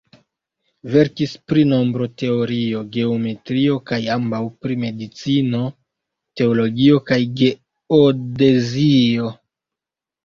Verkis pri nombroteorio, geometrio kaj ankaŭ pri medicino, teologio kaj geodezio.